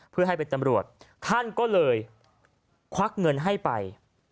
เพื่อให้เป็นตำรวจท่านก็เลยควักเงินให้ไป